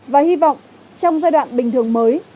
và hy vọng trong giai đoạn bình thường mới